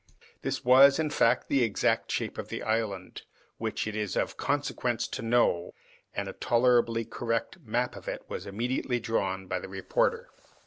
This was in fact the exact shape of the island, which it is of consequence to know, and a tolerably correct map of it was immediately drawn by the reporter.